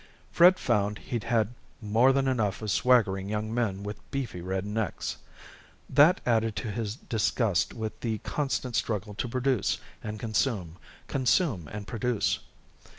Fred found he'd had more than enough of swaggering young men with beefy red necks. That added to his disgust with the constant struggle to produce and consume, consume and produce.